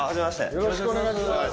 よろしくお願いします。